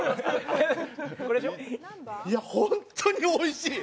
いや、ホントにおいしい。